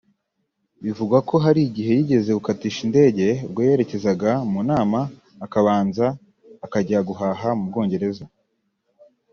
Bivugwa ko hari igihe yigeze gukatisha indege ubwo yerekezaga mu nama akabanza akajya guhaha mu Bwongereza